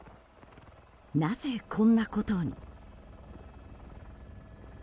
なぜ、こんなことに？